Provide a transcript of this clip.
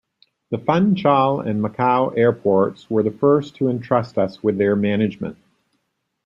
The Funchal and Macau airports were the first to entrust us with their management.